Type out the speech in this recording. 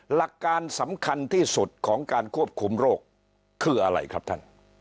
หลักการสำคัญที่สุดของการควบคุมโรคคืออะไรครับท่าน